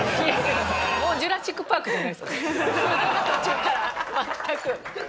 途中から全く。